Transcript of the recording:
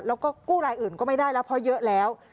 แล้วก็กู้รายอื่นก็ไม่ได้แล้วเพราะเยอะแล้ว